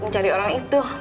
mencari orang itu